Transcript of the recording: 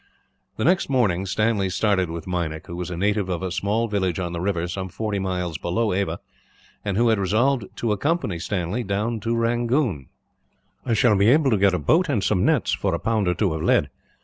The next morning Stanley started with Meinik, who was a native of a small village on the river, some forty miles below Ava, and who had resolved to accompany him down to Rangoon. "I shall be able to get a boat and some nets, for a pound or two of lead.